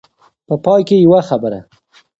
په پای کې يوه خبره.